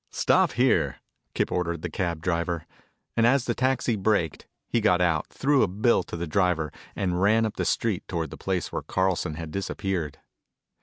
"Stop here," Kip ordered the cab driver. And as the taxi braked, he got out, threw a bill to the driver, and ran up the street toward the place where Carlson had disappeared.